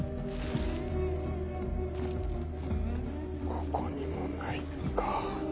ここにもないか。